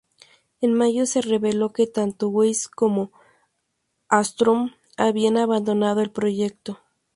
En mayo se reveló que tanto Weisz como Hallström habían abandonado el proyecto.